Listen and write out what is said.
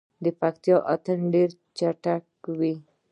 د پکتیا اتن ډیر چټک وي.